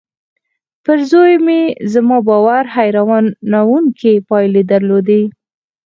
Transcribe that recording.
پر زوی مې زما باور حيرانوونکې پايلې درلودې.